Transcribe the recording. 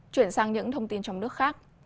chuyển sang những thông tin trong nước khác